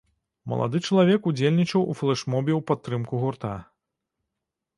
Малады чалавек удзельнічаў у флэшмобе ў падтрымку гурта.